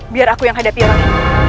biar aku yang hadapi ratu